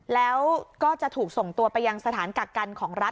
แล้วก็จะถูกส่งตัวไปยังสถานกักกันของรัฐ